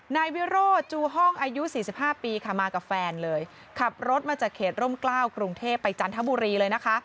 นายวิโร่จูห้องอายุ๔๕ปีค่ะมากับแฟนเลย